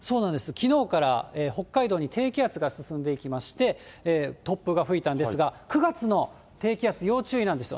きのうから北海道に低気圧が進んでいきまして、突風が吹いたんですが、９月の低気圧、要注意なんですよ。